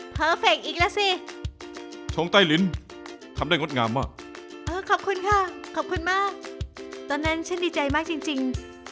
เฟคอีกแล้วสิชงใต้ลิ้นทำได้งดงามมากเออขอบคุณค่ะขอบคุณมากตอนนั้นฉันดีใจมากจริงจริง